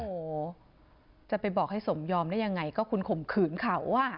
โอ้โหจะไปบอกให้สมยอมได้ยังไงก็คุณข่มขืนเขาอ่ะ